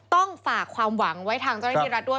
ต้องฝากความหวังไว้ทางเจ้าหน้าที่รัฐด้วย